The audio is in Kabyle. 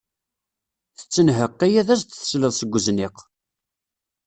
Tettenheqqi ad as-d-tesleḍ seg uzniq.